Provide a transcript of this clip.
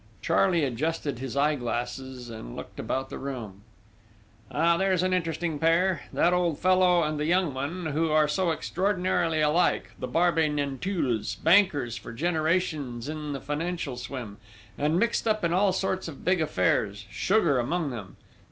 Charley adjusted his eyeglass and looked about the room: "Ah, there's an interesting pair! That old fellow and the young one, who are so extraordinarily alike the Barbey Nanteuils, bankers for generations in the financial swim, and mixed up in all sorts of big affairs, sugar, among them....